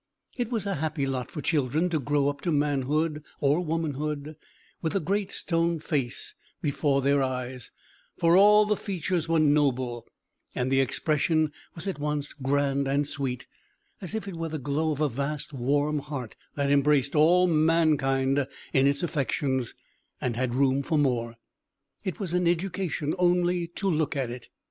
It was a happy lot for children to grow up to manhood or womanhood with the Great Stone Face before their eyes, for all the features were noble, and the expression was at once grand and sweet, as if it were the glow of a vast, warm heart, that embraced all mankind in its affections, and had room for more. It was an education only to look at it.